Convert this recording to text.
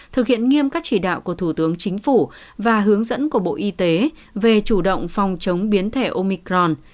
thực hiện nghiêm các chỉ đạo của thủ tướng chính phủ và hướng dẫn của bộ y tế về chủ động phòng chống biến thể omicron